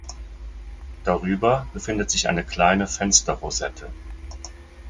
Darüber befindet sich eine kleine Fensterrosette.